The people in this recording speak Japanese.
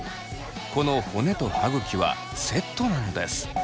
この骨と歯ぐきはセットなんです。